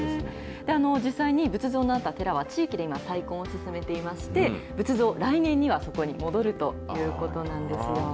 実際に仏像のあった寺は、地域で今、再建を進めていまして、仏像、来年にはそこに戻るということなんですよ。